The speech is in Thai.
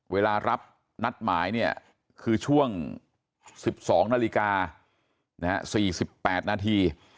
เวลารับนัดหมายเนี่ยคือช่วง๑๒นาฬิกา๔๘นาที